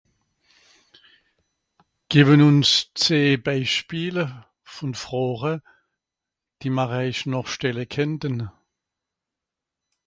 gewen ùns zweei beischpiele vòn Fròche die mache eich nòr stelle kennten